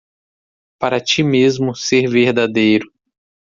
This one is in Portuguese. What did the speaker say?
Para ti mesmo ser verdadeiro